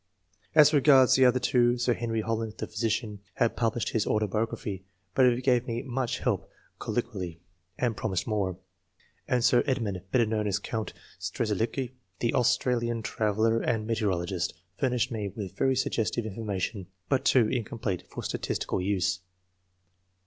As regards the other two — Sir Henry Holland, the physician, had published his auto biography, but he gave me much help collo quially, and promised more ; and Sir Edmund, better known as Count Strzelecki, the Australian traveller and meteorologist, furnished me with very suggestive information, but too incomplete for statistical use.